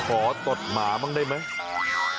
ตดหมาบ้างได้ไหม